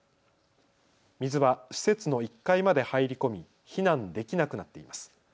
水は施設の１階まで入り込み避難できなくなっています。